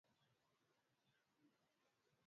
geuza maandazi yako hadi yawe na rangi ya kahawia